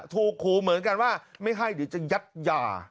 ถูกขู่เหมือนกันว่าไม่ให้เดี๋ยวจะยัดยา